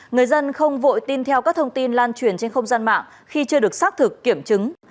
người dân không vội tin theo các thông tin lan truyền trên không gian mạng khi chưa được xác thực kiểm chứng